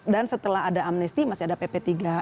dan setelah ada amnesti masih ada pp tiga puluh enam